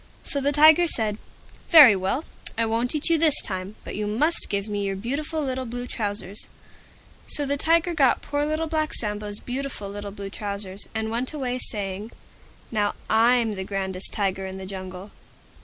So the Tiger said, "Very well, I won't eat you this time, but you must give me your beautiful little Blue Trousers." So the Tiger got poor Little Black Sambo's beautiful little Blue Trousers, and went away saying, "Now I'm the grandest Tiger in the Jungle."